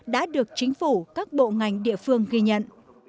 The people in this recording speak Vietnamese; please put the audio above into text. đã được chính phủ các bộ ngành địa phương ghi nhận